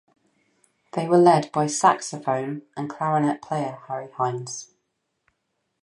They were led by saxophone and clarinet player Harry Hines.